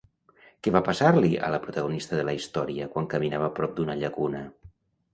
Què va passar-li a la protagonista de la història quan caminava prop d'una llacuna?